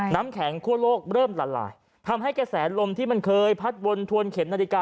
น้ำแข็งคั่วโลกเริ่มละลายทำให้กระแสลมที่มันเคยพัดวนถวนเข็มนาฬิกา